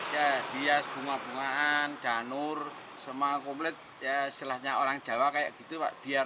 ya dia bunga bungaan janur semua komplet ya setelahnya orang jawa kayak gitu pak dia